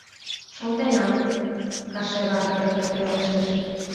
— Шолтенам, — кашевар эркын пелештыш.